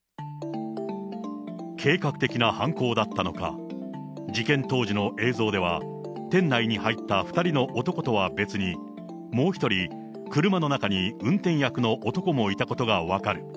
計画的な犯行だったのか、事件当時の映像では、店内に入った２人の男とは別に、もう１人、車の中に運転役の男もいたことが分かる。